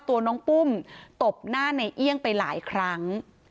ตัวน้องปุ้มตบหน้าในเอี่ยงไปหลายครั้ง